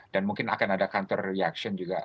dan mungkin akan ada counter reaction juga